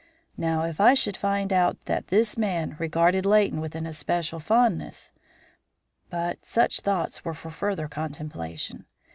Now, if I should find out that this man regarded Leighton with an especial fondness But such thoughts were for further contemplation.